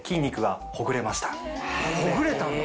ほぐれたんだ。